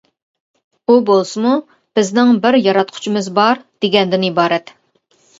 ئۇ بولسىمۇ «بىزنىڭ بىر ياراتقۇچىمىز بار» ، دېگەندىن ئىبارەت.